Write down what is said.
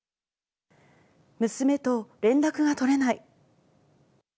娘と連絡が取れない。